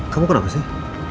kamu kenapa sih